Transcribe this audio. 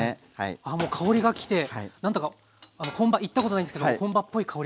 あもう香りがきて何だか本場行ったことないんですけど本場っぽい香りが。